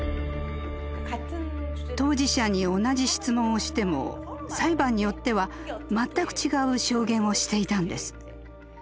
当事者に同じ質問をしても裁判によっては全く違う証言をしていたんです。